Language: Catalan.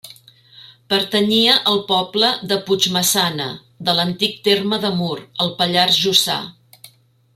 Pertanyia al poble de Puigmaçana, de l'antic terme de Mur, al Pallars Jussà.